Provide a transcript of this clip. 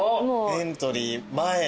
エントリー前に？